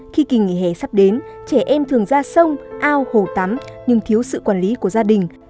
khi kỳ nghỉ hè sắp đến trẻ em thường ra sông ao hồ tắm nhưng thiếu sự quản lý của gia đình